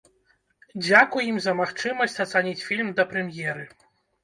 Дзякуй ім за магчымасць ацаніць фільм да прэм'еры.